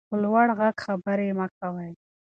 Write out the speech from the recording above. په لوړ غږ خبرې مه کوئ.